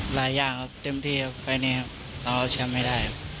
หลายอย่างครับเต็มที่ครับในวันนี้เราแชมป์ไม่ได้ครับ